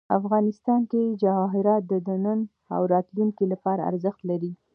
افغانستان کې جواهرات د نن او راتلونکي لپاره ارزښت لري.